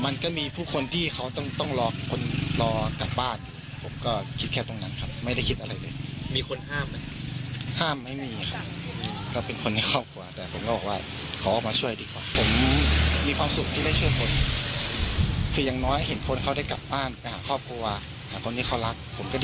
ดีใจกับเขาแล้วครับ